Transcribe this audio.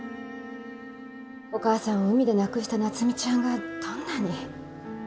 お母さんを海で亡くした夏海ちゃんがどんなに。